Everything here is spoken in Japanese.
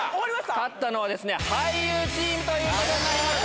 勝ったのは俳優チームということになりました。